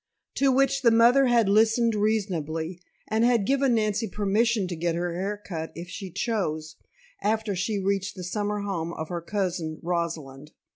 To which the mother had listened reasonably and had given Nancy permission to get her hair cut if she chose after she reached the summer home of her cousin Rosalind.